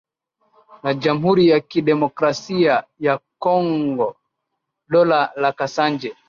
na Jamhuri ya Kidemokrasia ya Kongo Dola la Kasanje